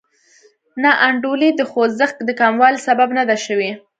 ناانډولي د خوځښت د کموالي سبب نه ده شوې.